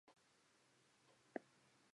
ぞっとして、顔を背けた。